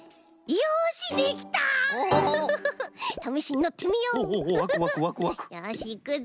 よしいくぞ。